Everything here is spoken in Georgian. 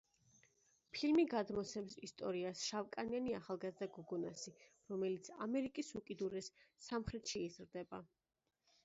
ფილმი გადმოსცემს ისტორიას შავკანიანი ახალგაზრდა გოგონასი, რომელიც ამერიკის უკიდურეს სამხრეთში იზრდება.